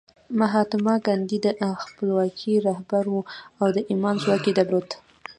مهاتما ګاندي د خپلواکۍ رهبر و او د ایمان ځواک یې درلود